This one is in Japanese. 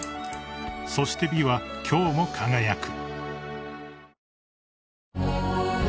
［そして美は今日も輝く］